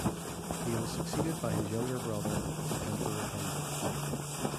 He was succeeded by his younger brother Emperor Hanzei.